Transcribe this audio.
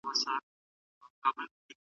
سياسي بنسټونه بايد د قانون درناوی وکړي.